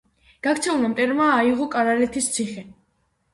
გაქცეულმა მტერმა აიღო კარალეთის ციხე.